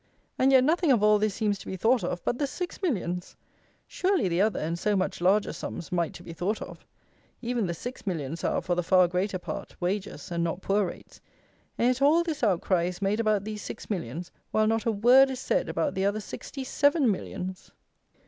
And yet nothing of all this seems to be thought of but the six millions. Surely the other and so much larger sums might to be thought of. Even the six millions are, for the far greater part, wages and not poor rates. And yet all this outcry is made about these six millions, while not a word is said about the other sixty seven millions.